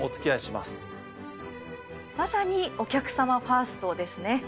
まさにお客様ファーストですね。